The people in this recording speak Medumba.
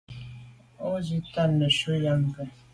O zwi’t’a ntshu am ké.